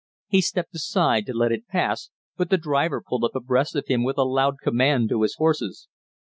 He stepped aside to let it pass, but the driver pulled up abreast of him with a loud command to his horses.